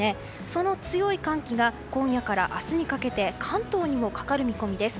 その強い寒気が今夜から明日にかけて関東にもかかる見込みです。